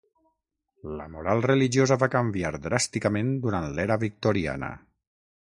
La moral religiosa va canviar dràsticament durant l'era victoriana.